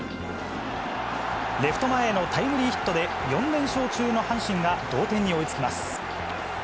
レフト前へのタイムリーヒットで、４連勝中の阪神が同点に追いつきます。